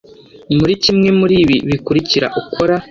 muri kimwe muri ibi bikurikira ukora